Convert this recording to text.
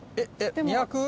２００？